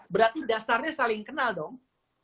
berarti dasarnya saling kenal dong